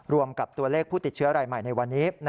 กับตัวเลขผู้ติดเชื้อรายใหม่ในวันนี้